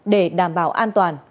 để đảm bảo an toàn